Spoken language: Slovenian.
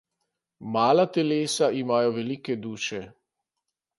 Mala telesa imajo velike duše.